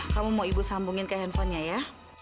kamu mau ibu sambungin ke handphonenya ya